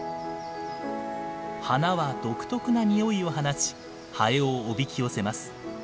花は独特な匂いを放ちハエをおびき寄せます。